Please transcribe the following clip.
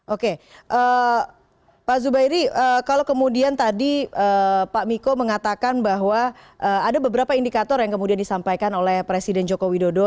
oke pak zubairi kalau kemudian tadi pak miko mengatakan bahwa ada beberapa indikator yang kemudian disampaikan oleh presiden joko widodo